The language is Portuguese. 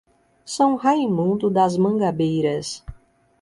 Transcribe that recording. São Raimundo das Mangabeiras